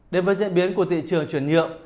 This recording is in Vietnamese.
đến với diễn biến của thị trường chuyển nhượng